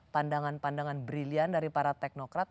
pandangan pandangan brilian dari para teknokrat